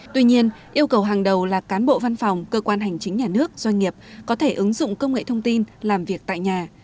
tuy nhiên yêu cầu hàng đầu là cán bộ văn phòng cơ quan hành chính nhà nước doanh nghiệp có thể ứng dụng công nghệ thông tin làm việc tại nhà